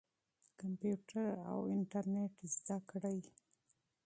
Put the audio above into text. کمپیوټر او انټرنیټ زده کړئ.